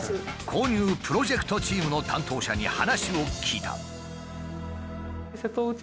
購入プロジェクトチームの担当者に話を聞いた。